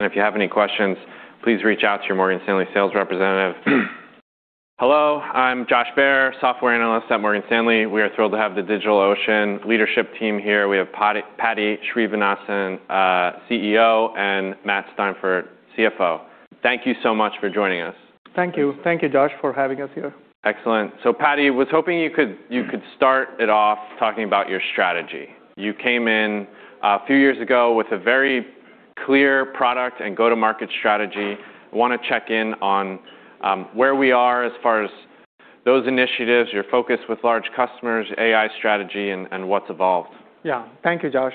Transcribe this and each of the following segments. If you have any questions, please reach out to your Morgan Stanley sales representative. Hello, I'm Josh Behr, Software Analyst at Morgan Stanley. We are thrilled to have the DigitalOcean leadership team here. We have Paddy Srinivasan, CEO, and Matt Steinfort, CFO. Thank you so much for joining us. Thank you. Thank you, Josh, for having us here. Excellent. Paddy, was hoping you could start it off talking about your strategy. You came in a few years ago with a very clear product and go-to-market strategy. Wanna check in on where we are as far as those initiatives, your focus with large customers, AI strategy, and what's evolved. Yeah. Thank you, Josh.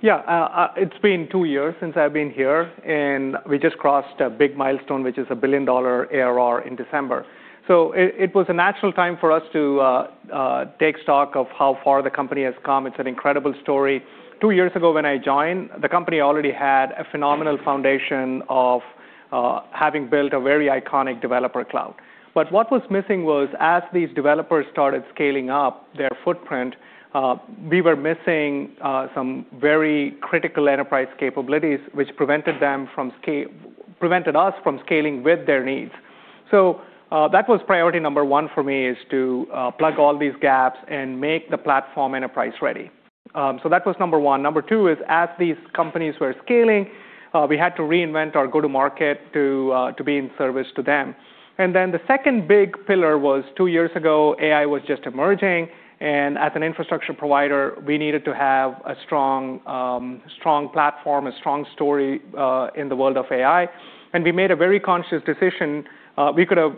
Yeah. It's been two years since I've been here, and we just crossed a big milestone, which is $1 billion ARR in December. It, it was a natural time for us to take stock of how far the company has come. It's an incredible story. Two years ago, when I joined, the company already had a phenomenal foundation of having built a very iconic developer cloud. What was missing was, as these developers started scaling up their footprint, we were missing some very critical enterprise capabilities, which prevented us from scaling with their needs. That was priority number one for me, is to plug all these gaps and make the platform enterprise-ready. That was number one. Number two is, as these companies were scaling, we had to reinvent our go-to-market to be in service to them. The second big pillar was, two years ago, AI was just emerging, and as an infrastructure provider, we needed to have a strong platform, a strong story, in the world of AI. We made a very conscious decision. We could have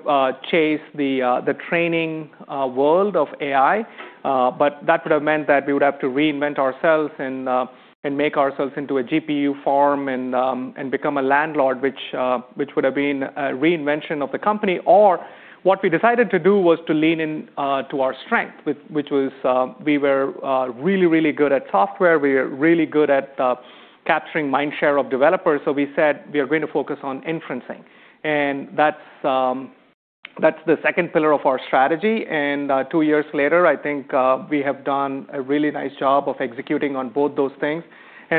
chased the training world of AI, but that would have meant that we would have to reinvent ourselves and make ourselves into a GPU farm and become a landlord, which would have been a reinvention of the company. What we decided to do was to lean in to our strength, which was, we were really, really good at software. We are really good at capturing mind share of developers. We said we are going to focus on inferencing. That's the second pillar of our strategy. Two years later, I think, we have done a really nice job of executing on both those things.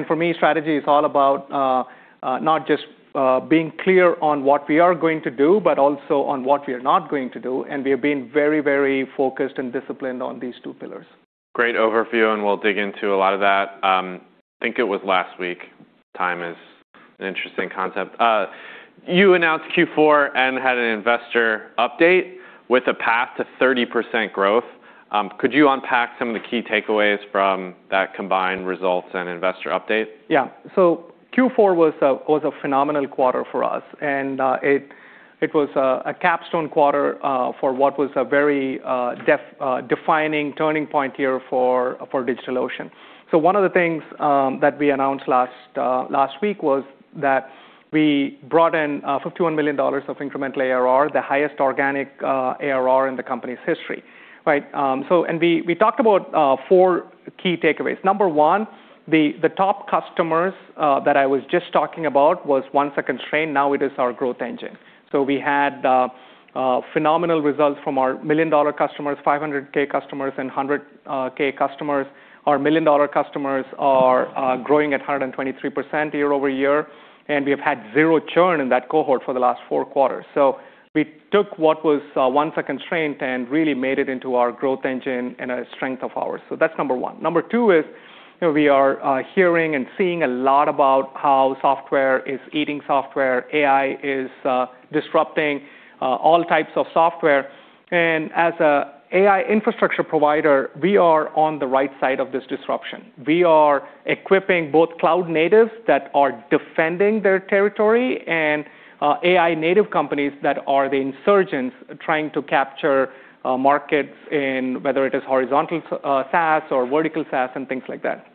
For me, strategy is all about not just being clear on what we are going to do, but also on what we are not going to do. We have been very, very focused and disciplined on these two pillars. Great overview. We'll dig into a lot of that. I think it was last week. Time is an interesting concept. You announced Q4 and had an investor update with a path to 30% growth. Could you unpack some of the key takeaways from that combined results and investor update? Yeah. Q4 was a phenomenal quarter for us, and it was a capstone quarter for what was a very defining turning point here for DigitalOcean. One of the things that we announced last week was that we brought in $51 million of incremental ARR, the highest organic ARR in the company's history, right? And we talked about four key takeaways. Number one, the top customers that I was just talking about was once a constraint, now it is our growth engine. We had phenomenal results from our million-dollar customers, 500K customers, and 100K customers. Our $1 million customers are growing at 123% year-over-year, and we have had zero churn in that cohort for the last four quarters. We took what was once a constraint and really made it into our growth engine and a strength of ours. That's number one. Number two is, you know, we are hearing and seeing a lot about how software is eating software. AI is disrupting all types of software. As an AI infrastructure provider, we are on the right side of this disruption. We are equipping both cloud natives that are defending their territory and AI native companies that are the insurgents trying to capture markets in whether it is horizontal SaaS or vertical SaaS and things like that.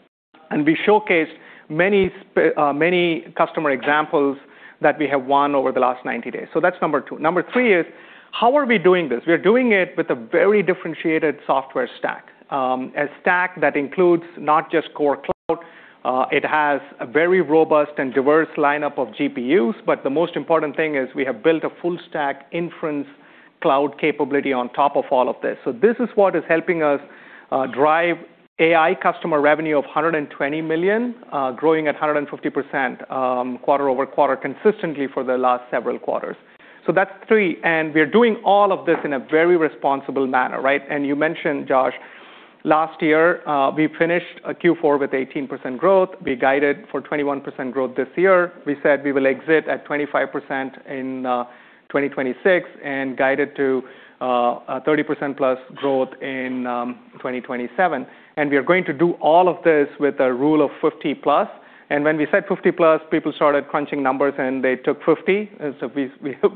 We showcased many customer examples that we have won over the last 90 days. That's number two. Number three is, how are we doing this? We are doing it with a very differentiated software stack. A stack that includes not just core cloud, it has a very robust and diverse lineup of GPUs, but the most important thing is we have built a full stack Inference Cloud capability on top of all of this. This is what is helping us drive AI customer revenue of $120 million, growing at 150% quarter-over-quarter consistently for the last several quarters. That's three. We are doing all of this in a very responsible manner, right? You mentioned, Josh, last year, we finished a Q4 with 18% growth. We guided for 21% growth this year. We said we will exit at 25% in 2026 and guided to a 30% plus growth in 2027. We are going to do all of this with a rule of 50 plus. When we said 50 plus, people started crunching numbers, and they took 50.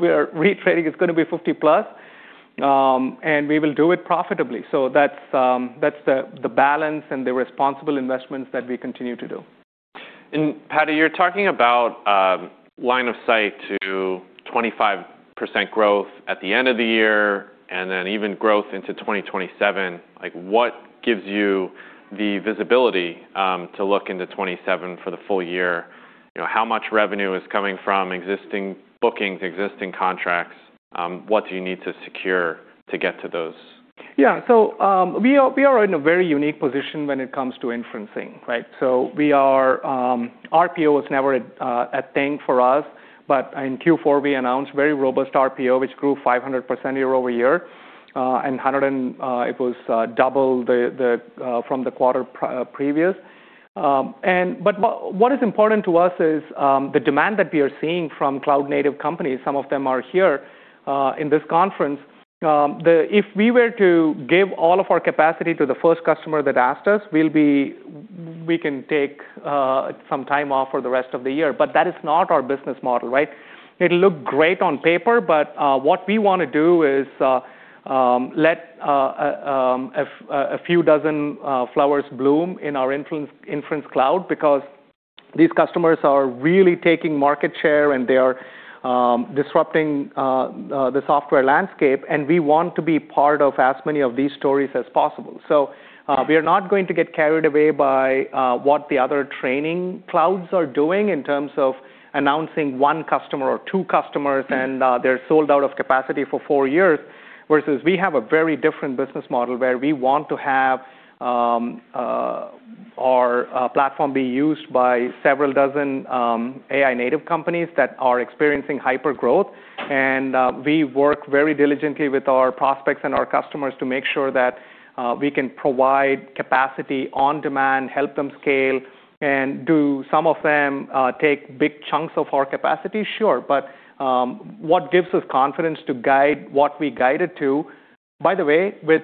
We are reiterating it's gonna be 50 plus, and we will do it profitably. That's the balance and the responsible investments that we continue to do. Paddy, you're talking about line of sight to 25% growth at the end of the year and then even growth into 2027. What gives you the visibility to look into 2027 for the full year? You know, how much revenue is coming from existing bookings, existing contracts? What do you need to secure to get to those numbers? We are in a very unique position when it comes to inferencing, right? RPO was never a thing for us, but in Q4 we announced very robust RPO, which grew 500% year-over-year, and it was double the from the quarter pre-previous. What is important to us is the demand that we are seeing from cloud-native companies, some of them are here in this conference. If we were to give all of our capacity to the first customer that asked us, we can take some time off for the rest of the year, that is not our business model, right? It'll look great on paper, but what we wanna do is let a few dozen flowers bloom in our Inference Cloud because these customers are really taking market share and they are disrupting the software landscape, and we want to be part of as many of these stories as possible. We are not going to get carried away by what the other training clouds are doing in terms of announcing one customer or two customers, and they're sold out of capacity for four years. Versus we have a very different business model where we want to have our platform be used by several dozen AI native companies that are experiencing hypergrowth. We work very diligently with our prospects and our customers to make sure that we can provide capacity on demand, help them scale, and do some of them take big chunks of our capacity? Sure. What gives us confidence to guide what we guided to, by the way, with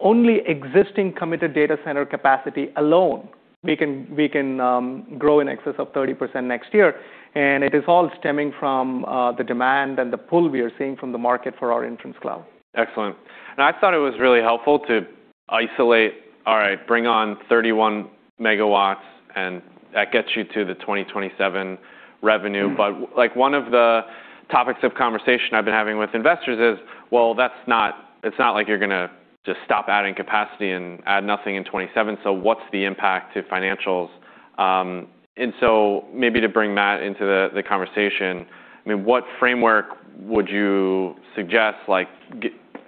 only existing committed data center capacity alone, we can grow in excess of 30% next year. It is all stemming from the demand and the pull we are seeing from the market for our Inference Cloud. Excellent. I thought it was really helpful to isolate, all right, bring on 31 MW, and that gets you to the 2027 revenue. Like one of the topics of conversation I've been having with investors is, well, it's not like you're gonna just stop adding capacity and add nothing in 27, so what's the impact to financials? Maybe to bring Matt into the conversation, I mean, what framework would you suggest, like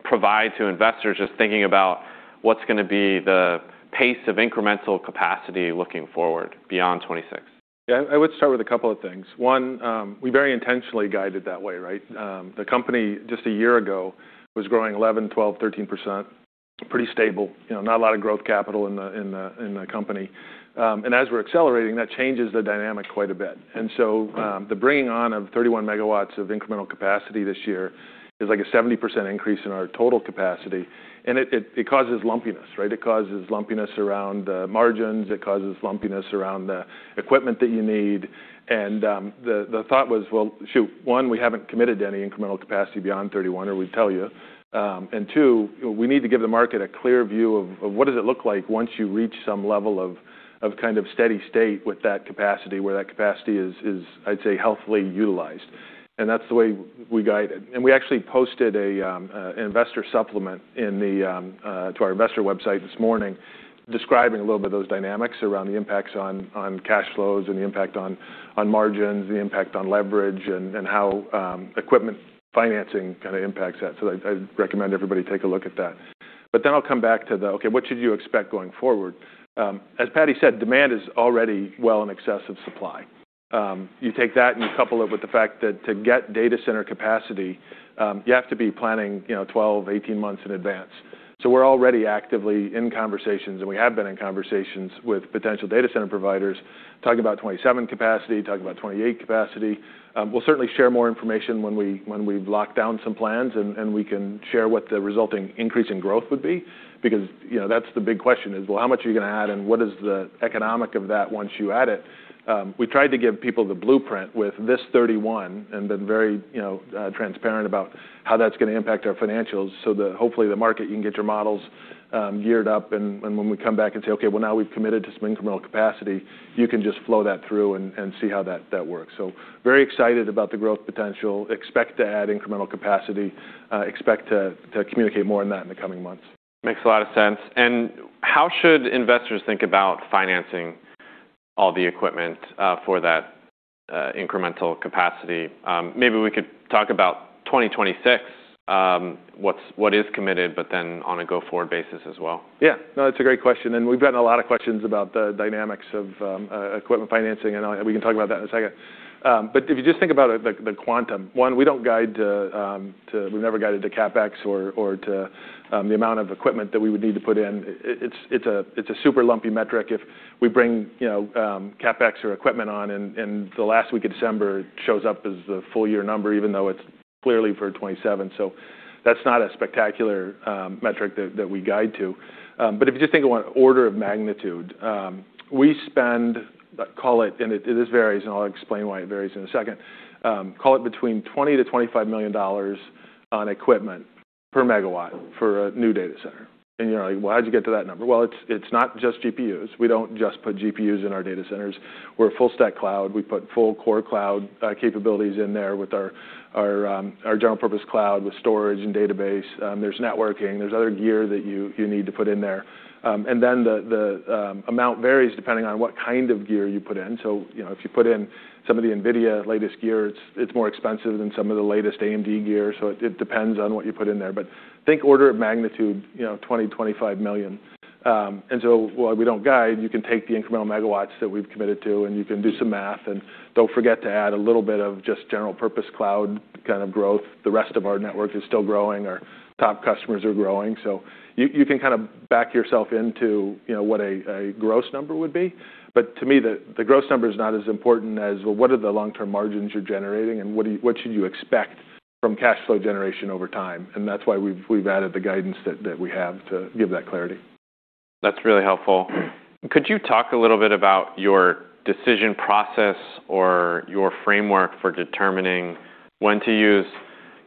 provide to investors just thinking about what's gonna be the pace of incremental capacity looking forward beyond 2060? Yeah. I would start with a couple of things. One, we very intentionally guided that way, right? The company just a year ago was growing 11%, 12%, 13%, pretty stable, you know, not a lot of growth capital in the company. As we're accelerating, that changes the dynamic quite a bit. The bringing on of 31 MW of incremental capacity this year is like a 70% increase in our total capacity. It causes lumpiness, right? It causes lumpiness around margins. It causes lumpiness around the equipment that you need. The thought was, well, shoot, one, we haven't committed to any incremental capacity beyond 31, or we'd tell you. Two, we need to give the market a clear view of what does it look like once you reach some level of kind of steady state with that capacity, where that capacity is, I'd say, healthily utilized. That's the way we guide it. We actually posted a investor supplement in the to our investor website this morning describing a little bit of those dynamics around the impacts on cash flows and the impact on margins, the impact on leverage and how equipment financing kinda impacts that. I'd recommend everybody take a look at that. I'll come back to the, okay, what should you expect going forward? As Paddy said, demand is already well in excess of supply. You take that and you couple it with the fact that to get data center capacity, you have to be planning, you know, 12, 18 months in advance. We're already actively in conversations, and we have been in conversations with potential data center providers talking about 2027 capacity, talking about 2028 capacity. We'll certainly share more information when we've locked down some plans and we can share what the resulting increase in growth would be. You know, that's the big question is, well, how much are you gonna add, and what is the economic of that once you add it? We tried to give people the blueprint with this 31 and been very, you know, transparent about how that's gonna impact our financials so that hopefully the market, you can get your models, geared up. When we come back and say, "Okay, well, now we've committed to some incremental capacity," you can just flow that through and see how that works. Very excited about the growth potential. Expect to add incremental capacity, expect to communicate more on that in the coming months. Makes a lot of sense. How should investors think about financing all the equipment for that incremental capacity? Maybe we could talk about 2026, what is committed, but then on a go-forward basis as well. No, that's a great question, and we've gotten a lot of questions about the dynamics of equipment financing, and we can talk about that in a second. If you just think about it, the quantum, one, we don't guide to, we've never guided to CapEx or to the amount of equipment that we would need to put in. It's a super lumpy metric. If we bring, you know, CapEx or equipment on in the last week of December, it shows up as the full year number, even though it's clearly for 2027. That's not a spectacular metric that we guide to. If you just think of an order of magnitude, we spend, call it, and it varies, and I'll explain why it varies in a second, call it between $20 million-$25 million on equipment per megawatt for a new data center. You're like, "Well, how'd you get to that number?" It's not just GPUs. We don't just put GPUs in our data centers. We're a full stack cloud. We put full core cloud capabilities in there with our, our general purpose cloud with storage and database. There's networking, there's other gear that you need to put in there. The amount varies depending on what kind of gear you put in. You know, if you put in some of the NVIDIA latest gear, it's more expensive than some of the latest AMD gear, so it depends on what you put in there. Think order of magnitude, you know, $20 million-$25 million. While we don't guide, you can take the incremental megawatts that we've committed to, and you can do some math, and don't forget to add a little bit of just general purpose cloud kind of growth. The rest of our network is still growing. Our top customers are growing. You can kind of back yourself into, you know, what a gross number would be. To me, the gross number is not as important as, well, what are the long-term margins you're generating, and what should you expect from cash flow generation over time? That's why we've added the guidance that we have to give that clarity. That's really helpful. Could you talk a little bit about your decision process or your framework for determining when to use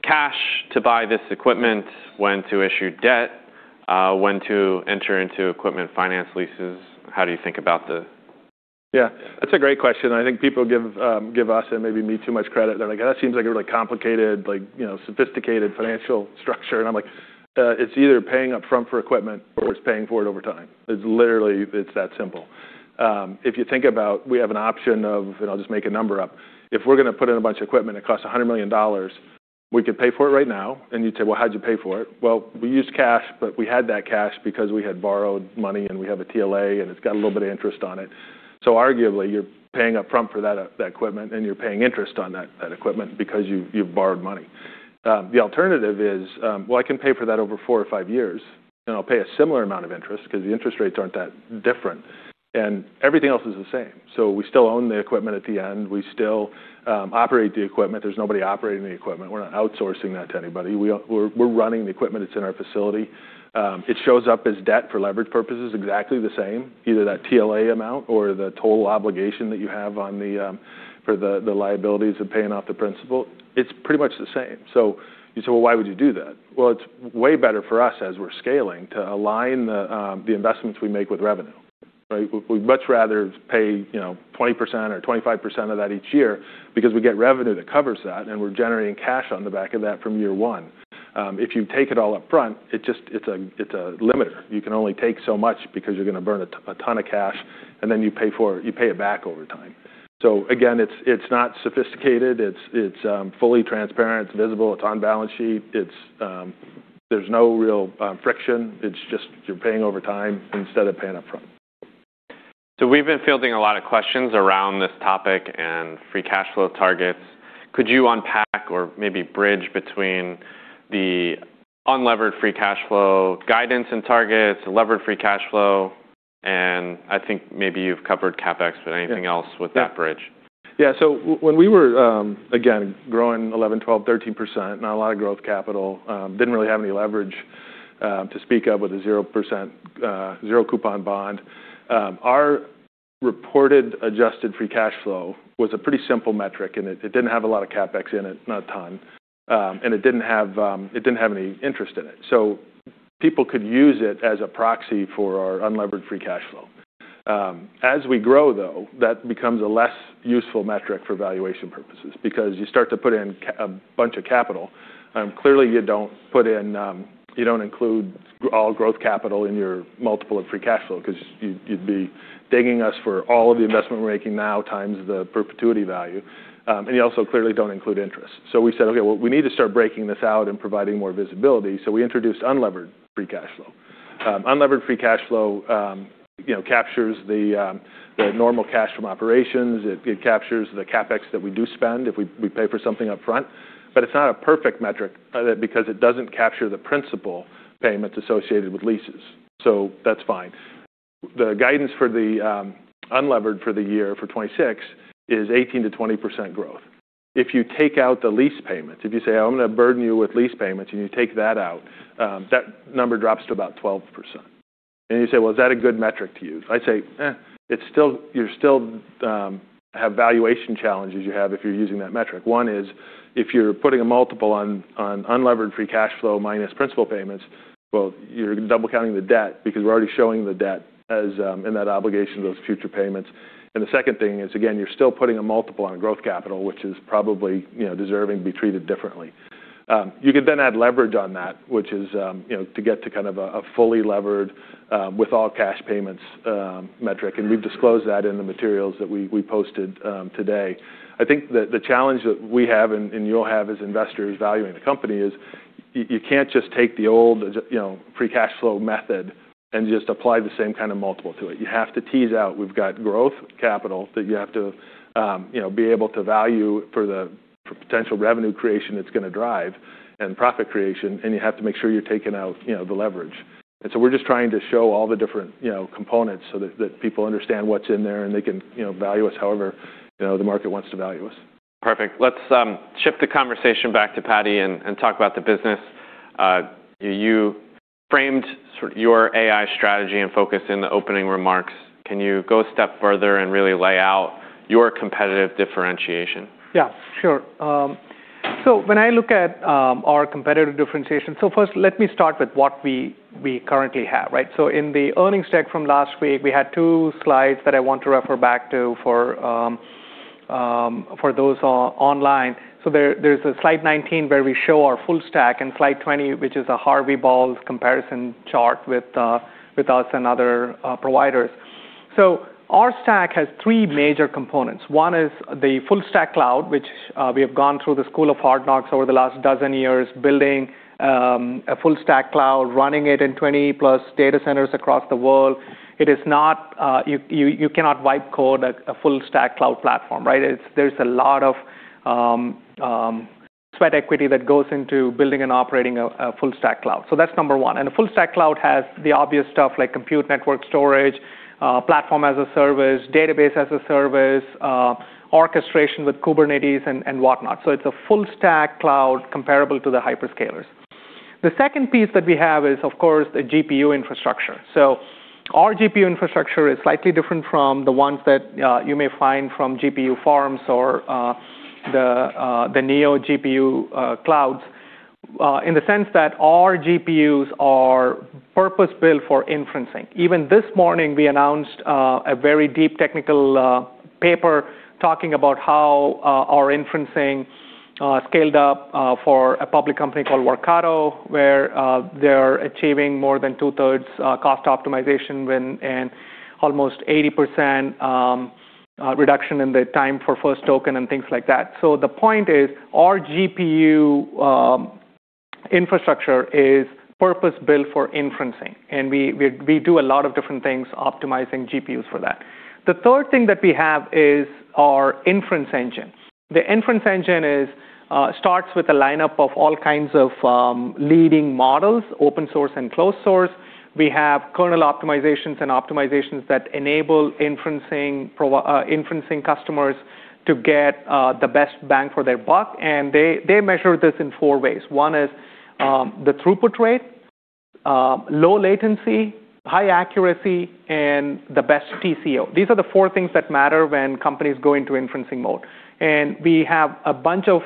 cash to buy this equipment, when to issue debt, when to enter into equipment finance leases? That's a great question, I think people give us and maybe me too much credit. They're like, "Oh, that seems like a really complicated, you know, sophisticated financial structure." I'm like, "It's either paying upfront for equipment or it's paying for it over time." It's that simple. If you think about we have an option of, and I'll just make a number up, if we're gonna put in a bunch of equipment that costs $100 million, we could pay for it right now. You'd say, "Well, how'd you pay for it?" Well, we used cash, but we had that cash because we had borrowed money, and we have a TLA, and it's got a little bit of interest on it. Arguably, you're paying upfront for that equipment, and you're paying interest on that equipment because you've borrowed money. The alternative is, well, I can pay for that over four or five years, and I'll pay a similar amount of interest 'cause the interest rates aren't that different, and everything else is the same. We still own the equipment at the end. We still operate the equipment. There's nobody operating the equipment. We're not outsourcing that to anybody. We're running the equipment that's in our facility. It shows up as debt for leverage purposes exactly the same, either that TLA amount or the total obligation that you have on the liabilities of paying off the principal. It's pretty much the same. You say, "Well, why would you do that?" Well, it's way better for us as we're scaling to align the investments we make with revenue, right? We'd much rather pay, you know, 20% or 25% of that each year because we get revenue that covers that, and we're generating cash on the back of that from year one. If you take it all upfront, it's a limiter. You can only take so much because you're gonna burn a ton of cash, and then you pay for it. You pay it back over time. Again, it's not sophisticated. It's fully transparent, it's visible, it's on balance sheet. There's no real friction. It's just you're paying over time instead of paying upfront. We've been fielding a lot of questions around this topic and free cash flow targets. Could you unpack or maybe bridge between the unlevered free cash flow guidance and targets, levered free cash flow, and I think maybe you've covered CapEx. Yeah. Anything else with that bridge? Yeah. When we were, again, growing 11%, 12%, 13%, not a lot of growth capital, didn't really have any leverage, to speak of with a 0% zero-coupon bond, our reported adjusted free cash flow was a pretty simple metric, and it didn't have a lot of CapEx in it, not a ton. It didn't have any interest in it. People could use it as a proxy for our unlevered free cash flow. As we grow, though, that becomes a less useful metric for valuation purposes because you start to put in a bunch of capital. Clearly, you don't put in, you don't include all growth capital in your multiple of free cash flow because you'd be digging us for all of the investment we're making now times the perpetuity value. And you also clearly don't include interest. We said, "Okay, well, we need to start breaking this out and providing more visibility." We introduced unlevered free cash flow. Unlevered free cash flow, you know, captures the normal cash from operations. It captures the CapEx that we do spend if we pay for something upfront. It's not a perfect metric because it doesn't capture the principal payments associated with leases. That's fine. The guidance for the unlevered for the year for 2026 is 18%-20% growth. If you take out the lease payments, if you say, "I'm gonna burden you with lease payments," and you take that out, that number drops to about 12%. You say, "Well, is that a good metric to use?" I'd say, "Eh, you still have valuation challenges you have if you're using that metric." One is, if you're putting a multiple on unlevered free cash flow minus principal payments, well, you're double counting the debt because we're already showing the debt as in that obligation to those future payments. The second thing is, again, you're still putting a multiple on growth capital, which is probably, you know, deserving to be treated differently. You could then add leverage on that, which is, you know, to get to kind of a fully levered, with all cash payments, metric, and we've disclosed that in the materials that we posted, today. I think the challenge that we have and you'll have as investors valuing the company is you can't just take the old, you know, free cash flow method and just apply the same kind of multiple to it. You have to tease out. We've got growth capital that you have to, you know, be able to value for the potential revenue creation that's gonna drive and profit creation, and you have to make sure you're taking out, you know, the leverage. We're just trying to show all the different, you know, components so that people understand what's in there, and they can, you know, value us however, you know, the market wants to value us. Perfect. Let's shift the conversation back to Paddy and talk about the business. You framed sort of your AI strategy and focus in the opening remarks. Can you go a step further and really lay out your competitive differentiation? Yeah, sure. When I look at our competitive differentiation, first let me start with what we currently have, right? In the earnings deck from last week, we had two slides that I want to refer back to for those online. There's a slide 19 where we show our full stack and slide 20, which is a Harvey Balls comparison chart with us and other providers. Our stack has three major components. One is the full stack cloud, which we have gone through the school of hard knocks over the last 12 years building a full stack cloud, running it in 20+ data centers across the world. It is not, you cannot wipe code a full stack cloud platform, right? There's a lot of sweat equity that goes into building and operating a full stack cloud. That's number one. A full stack cloud has the obvious stuff like compute network storage, Platform as a Service, Database as a Service, orchestration with Kubernetes and whatnot. It's a full stack cloud comparable to the hyperscalers. The second piece that we have is, of course, the GPU infrastructure. Our GPU infrastructure is slightly different from the ones that you may find from GPU firms or the neo-clouds in the sense that our GPUs are purpose-built for inferencing. Even this morning, we announced a very deep technical paper talking about how our inferencing scaled up for a public company called Workato, where they're achieving more than two-thirds cost optimization and almost 80% reduction in the time for first token and things like that. The point is, our GPU infrastructure is purpose-built for inferencing, and we do a lot of different things optimizing GPUs for that. The third thing that we have is our inference engine. The inference engine starts with a lineup of all kinds of leading models, open source and closed source. We have kernel optimizations and optimizations that enable inferencing customers to get the best bang for their buck, and they measure this in four ways. One is the throughput rate, low latency, high accuracy, and the best TCO. These are the four things that matter when companies go into inferencing mode. We have a bunch of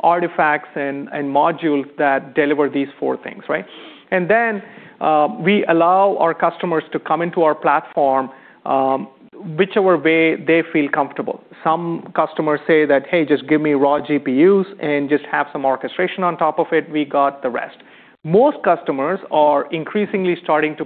artifacts and modules that deliver these four things, right? Then we allow our customers to come into our platform, whichever way they feel comfortable. Some customers say that, "Hey, just give me raw GPUs and just have some orchestration on top of it." We got the rest. Most customers are increasingly starting to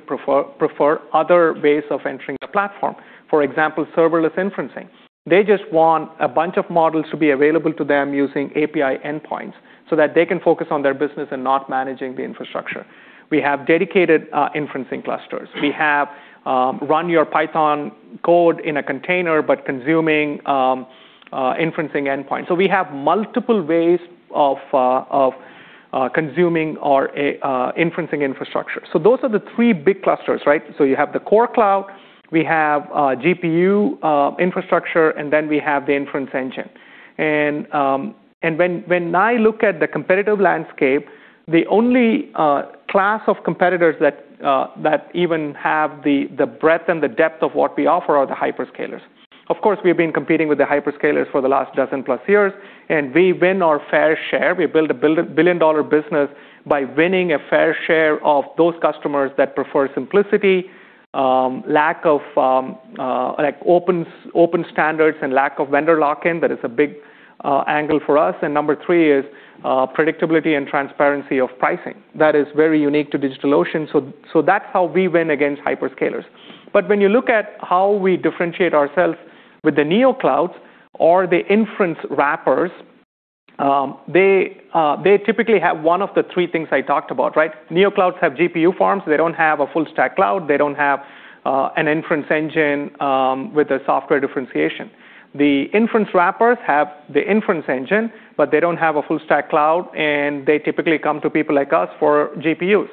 prefer other ways of entering the platform. For example, serverless inferencing. They just want a bunch of models to be available to them using API endpoints so that they can focus on their business and not managing the infrastructure. We have dedicated inferencing clusters. We have run your Python code in a container, but consuming inferencing endpoints. We have multiple ways of consuming our inferencing infrastructure. Those are the three big clusters, right? You have the core cloud, we have GPU infrastructure, and then we have the inference engine. When I look at the competitive landscape, the only class of competitors that even have the breadth and the depth of what we offer are the hyperscalers. Of course, we've been competing with the hyperscalers for the last 12+ years, and we win our fair share. We build a $1 billion-dollar business by winning a fair share of those customers that prefer simplicity, lack of like open standards and lack of vendor lock-in. That is a big angle for us. Number three is predictability and transparency of pricing. That is very unique to DigitalOcean. That's how we win against hyperscalers. When you look at how we differentiate ourselves with the neo-clouds or the inference wrappers, they typically have one of the three things I talked about, right? Neo-clouds have GPU firms. They don't have a full stack cloud. They don't have an inference engine with a software differentiation. The inference wrappers have the inference engine, but they don't have a full stack cloud, and they typically come to people like us for GPUs.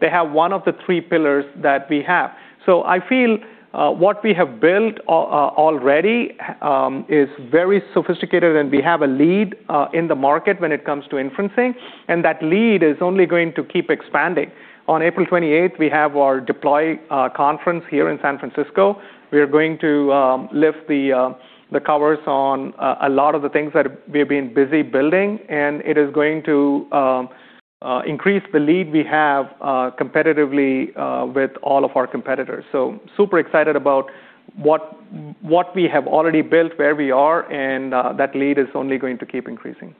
They have one of the three pillars that we have. I feel what we have built already is very sophisticated, and we have a lead in the market when it comes to inferencing, and that lead is only going to keep expanding. On April 28, we have our Deploy conference here in San Francisco. We are going to lift the covers on a lot of the things that we've been busy building, and it is going to increase the lead we have competitively with all of our competitors. Super excited about what we have already built, where we are, and that lead is only going to keep increasing.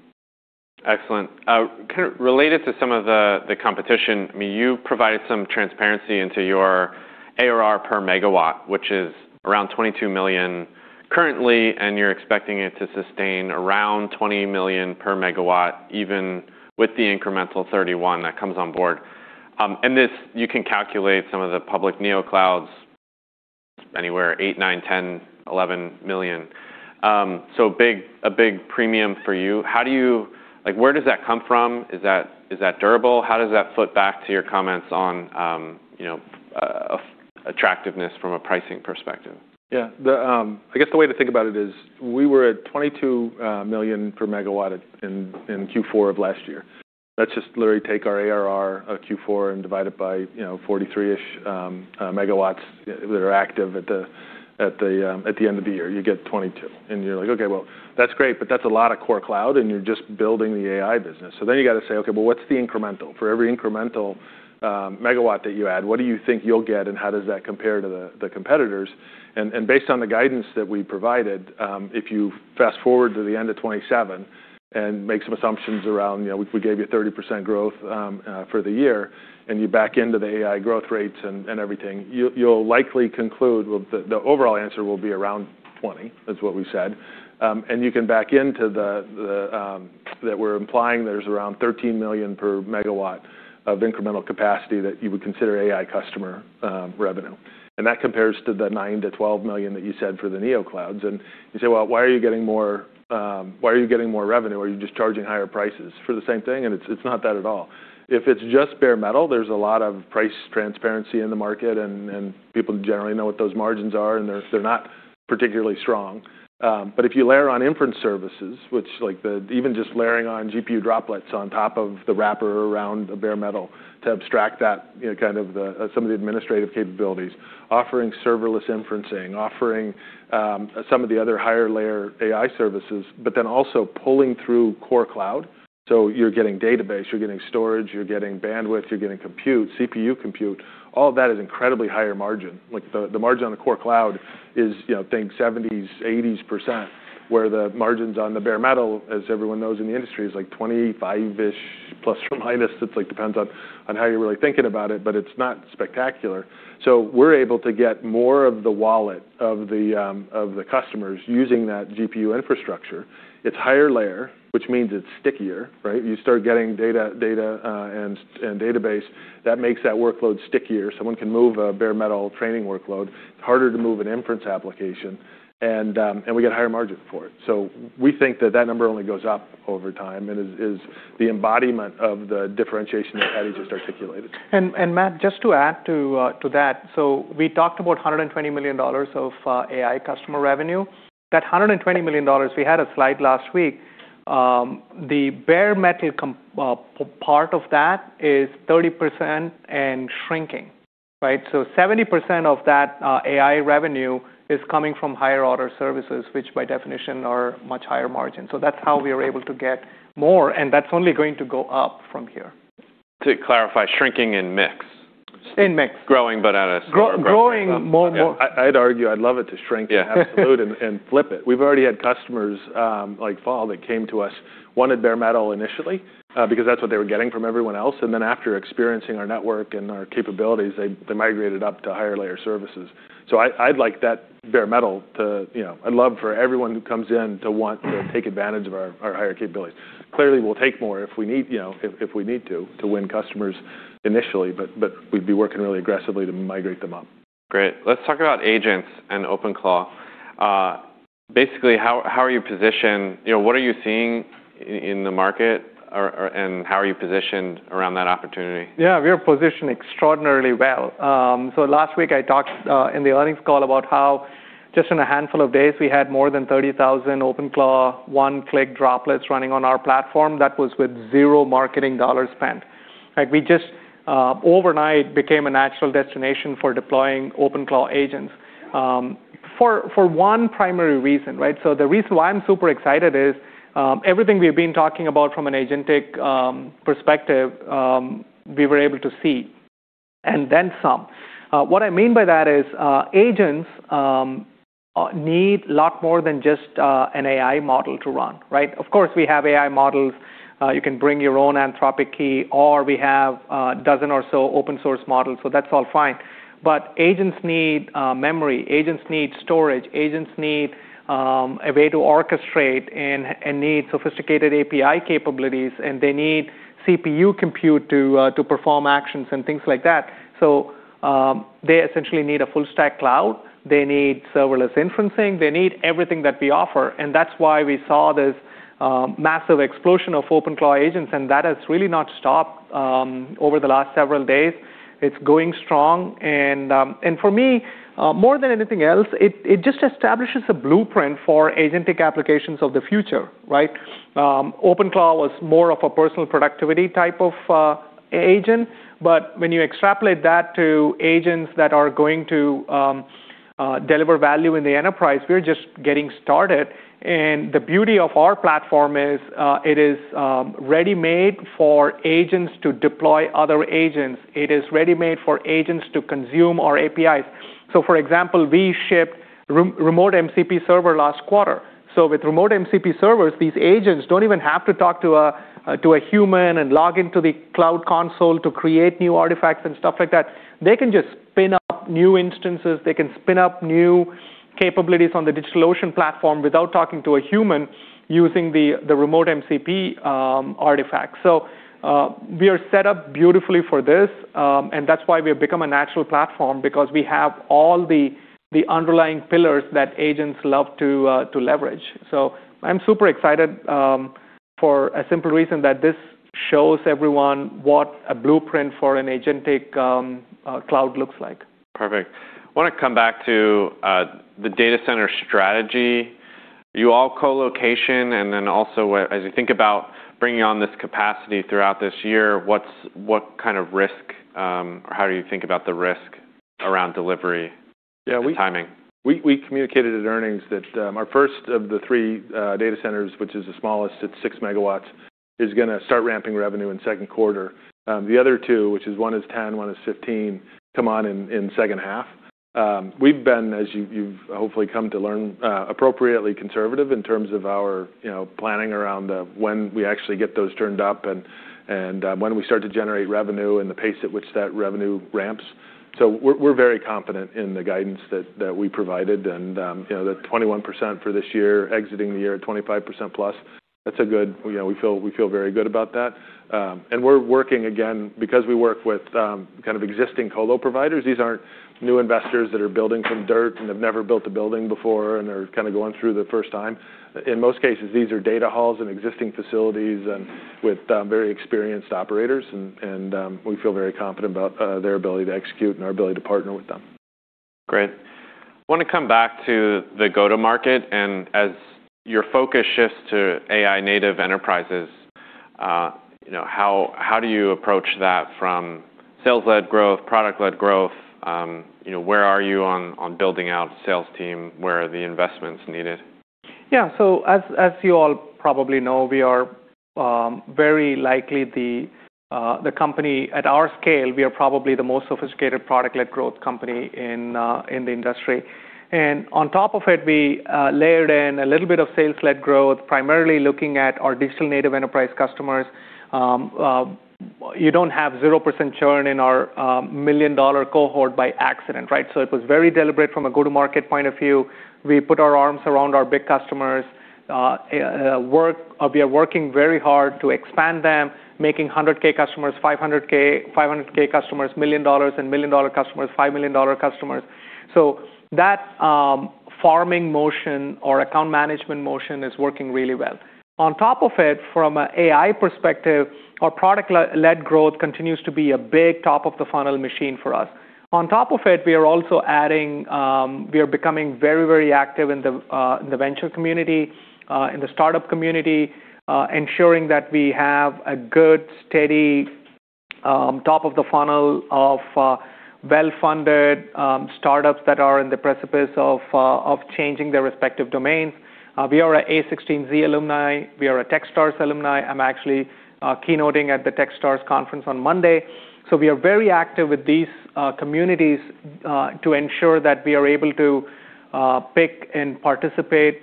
Excellent. kind of related to some of the competition, I mean, you provided some transparency into your ARR per megawatt, which is around $22 million currently, and you're expecting it to sustain around $20 million per megawatt, even with the incremental 31 that comes on board. This, you can calculate some of the public neo-clouds anywhere $8 million, $9 million, $10 million, $11 million. a big premium for you. How do you Like, where does that come from? Is that, is that durable? How does that flip back to your comments on, you know, Attractiveness from a pricing perspective. Yeah. The, I guess the way to think about it is we were at $22 million per megawatt at, in Q4 of last year. Let's just literally take our ARR of Q4 and divide it by, you know, 43-ish MW that are active at the end of the year. You get $22, and you're like, "Okay, well, that's great, but that's a lot of core cloud, and you're just building the AI business." You gotta say, "Okay, but what's the incremental? For every incremental megawatt that you add, what do you think you'll get, and how does that compare to the competitors? Based on the guidance that we provided, if you fast-forward to the end of 2027 and make some assumptions around, you know, we gave you 30% growth for the year, and you back into the AI growth rates and everything, you'll likely conclude, well, the overall answer will be around 20. That's what we said. You can back into that we're implying there's around $13 million per megawatt of incremental capacity that you would consider AI customer revenue. That compares to the $9 million-$12 million that you said for the neoclouds. You say, "Well, why are you getting more, why are you getting more revenue? Are you just charging higher prices for the same thing? It's not that at all. If it's just bare metal, there's a lot of price transparency in the market and people generally know what those margins are, and they're not particularly strong. If you layer on inference services, which like [Even] just layering on GPU Droplets on top of the wrapper around a bare metal to abstract that, you know, kind of the some of the administrative capabilities, offering serverless inferencing, offering some of the other higher layer AI services, then also pulling through core cloud. You're getting database, you're getting storage, you're getting bandwidth, you're getting compute, CPU compute. All that is incredibly higher margin. Like, the margin on the core cloud is, you know, think 70s, 80s%, where the margins on the bare metal, as everyone knows in the industry, is like 25-ish ±. It, like, depends on how you're really thinking about it, but it's not spectacular. We're able to get more of the wallet of the customers using that GPU infrastructure. It's higher layer, which means it's stickier, right? You start getting data and database, that makes that workload stickier. Someone can move a bare metal training workload. It's harder to move an inference application and we get higher margin for it. We think that that number only goes up over time and is the embodiment of the differentiation that Paddy just articulated. Matt, just to add to that. We talked about $120 million of AI customer revenue. That $120 million, we had a slide last week, the bare metal part of that is 30% and shrinking, right? 70% of that AI revenue is coming from higher order services, which by definition are much higher margin. That's how we are able to get more, and that's only going to go up from here. To clarify, shrinking in mix. In mix. Growing but at a slower growth rate. Growing more, I'd argue I'd love it to shrink. Yeah. Flip it. We've already had customers, like Fall that came to us, wanted bare metal initially, because that's what they were getting from everyone else, and then after experiencing our network and our capabilities, they migrated up to higher layer services. I'd like that bare metal to, you know. I'd love for everyone who comes in to want to take advantage of our higher capabilities. Clearly, we'll take more if we need, you know, if we need to win customers initially, but we'd be working really aggressively to migrate them up. Great. Let's talk about agents and OpenClaw. Basically, how are you positioned? You know, what are you seeing in the market or how are you positioned around that opportunity? Yeah. We are positioned extraordinarily well. Last week I talked in the earnings call about how just in a handful of days, we had more than 30,000 OpenClaw 1-Click App running on our platform. That was with zero marketing dollars spent. Like, we just overnight became a natural destination for deploying OpenClaw agents, for one primary reason, right? The reason why I'm super excited is, everything we've been talking about from an agentic perspective, we were able to see and then some. What I mean by that is, agents need lot more than just an AI model to run, right? Of course, we have AI models. You can bring your own Anthropic key, or we have a dozen or so open source models, so that's all fine. Agents need memory, agents need storage, agents need a way to orchestrate and need sophisticated API capabilities, and they need CPU compute to perform actions and things like that. They essentially need a full stack cloud. They need serverless inferencing. They need everything that we offer, and that's why we saw this massive explosion of OpenClaw agents, and that has really not stopped over the last several days. It's going strong and for me more than anything else, it just establishes a blueprint for agentic applications of the future, right? OpenClaw was more of a personal productivity type of agent, but when you extrapolate that to agents that are going to deliver value in the enterprise, we're just getting started. The beauty of our platform is it is ready-made for agents to deploy other agents. It is ready-made for agents to consume our APIs. For example, we shipped Remote MCP Server last quarter. With Remote MCP Servers, these agents don't even have to talk to a human and log into the cloud console to create new artifacts and stuff like that. They can just spin up new instances. They can spin up new capabilities on the DigitalOcean platform without talking to a human using the Remote MCP artifact. We are set up beautifully for this, and that's why we have become a natural platform because we have all the underlying pillars that agents love to leverage. I'm super excited, for a simple reason that this shows everyone what a blueprint for an agentic cloud looks like. Perfect. Wanna come back to the data center strategy. You all co-location, and then also as you think about bringing on this capacity throughout this year, what kind of risk, or how do you think about the risk around delivery... Yeah. timing? We communicated at earnings that our first of the three data centers, which is the smallest at 6 MW, is gonna start ramping revenue in second quarter. The other two, which is one is 10, one is 15, come on in second half. We've been, as you've hopefully come to learn, appropriately conservative in terms of our, you know, planning around when we actually get those turned up and when we start to generate revenue and the pace at which that revenue ramps. We're very confident in the guidance that we provided and, you know, the 21% for this year, exiting the year at 25%+ that's a good. You know, we feel very good about that. We're working again because we work with kind of existing colo providers. These aren't new investors that are building from dirt and have never built a building before and are kinda going through the first time. In most cases, these are data halls and existing facilities and with very experienced operators and we feel very confident about their ability to execute and our ability to partner with them. Great. Wanna come back to the go-to-market, and as your focus shifts to AI native enterprises, you know, how do you approach that from sales-led growth, product-led growth? You know, where are you on building out sales team? Where are the investments needed? Yeah. As you all probably know, we are very likely the company at our scale, we are probably the most sophisticated product-led growth company in the industry. On top of it, we layered in a little bit of sales-led growth, primarily looking at our digital native enterprise customers. You don't have 0% churn in our $1 million cohort by accident, right? It was very deliberate from a go-to-market point of view. We put our arms around our big customers. We are working very hard to expand them, making 100K customers, 500K customers, $1 million, and $1 million customers, $5 million customers. That farming motion or account management motion is working really well. On top of it, from an AI perspective, our product-led growth continues to be a big top of the funnel machine for us. On top of it, we are also adding, we are becoming very active in the venture community, in the startup community, ensuring that we have a good, steady top of the funnel of well-funded startups that are in the precipice of changing their respective domains. We are a a16z alumni. We are a Techstars alumni. I'm actually keynoting at the Techstars conference on Monday. We are very active with these communities to ensure that we are able to pick and participate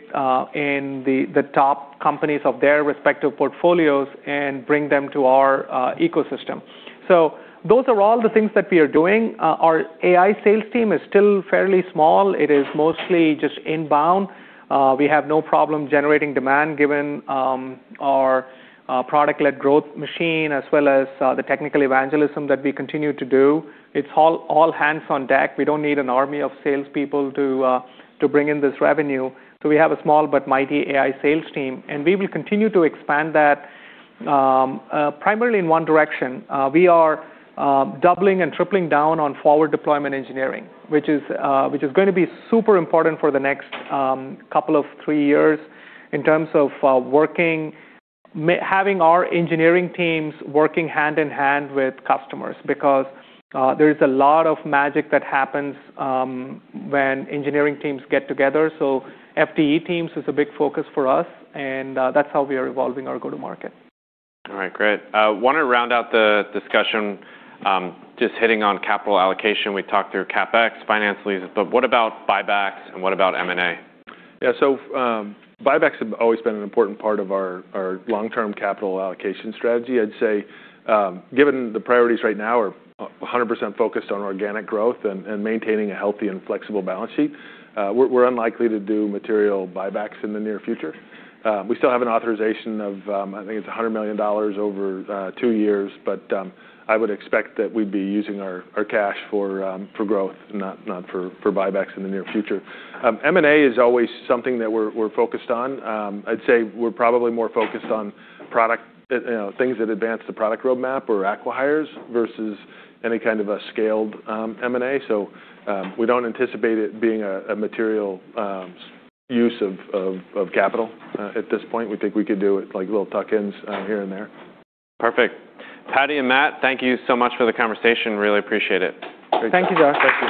in the top companies of their respective portfolios and bring them to our ecosystem. Those are all the things that we are doing. Our AI sales team is still fairly small. It is mostly just inbound. We have no problem generating demand given our product-led growth machine as well as the technical evangelism that we continue to do. It's all hands on deck. We don't need an army of salespeople to bring in this revenue. We have a small but mighty AI sales team, and we will continue to expand that primarily in one direction. We are doubling and tripling down on forward deployment engineering, which is gonna be super important for the next couple of three years in terms of working hand in hand with customers because there is a lot of magic that happens when engineering teams get together. FDE teams is a big focus for us, and that's how we are evolving our go-to-market. All right, great. wanna round out the discussion, just hitting on capital allocation. We talked through CapEx, finance leases, but what about buybacks, and what about M&A? Buybacks have always been an important part of our long-term capital allocation strategy. I'd say, given the priorities right now are 100% focused on organic growth and maintaining a healthy and flexible balance sheet, we're unlikely to do material buybacks in the near future. We still have an authorization of, I think it's $100 million over two years, but I would expect that we'd be using our cash for growth, not for buybacks in the near future. M&A is always something that we're focused on. I'd say we're probably more focused on product, you know, things that advance the product roadmap or acqui-hires versus any kind of a scaled M&A. We don't anticipate it being a material use of capital. At this point, we think we could do it like little tuck-ins here and there. Perfect. Paddy and Matt, thank you so much for the conversation. Really appreciate it. Thank you, Josh. Thank you.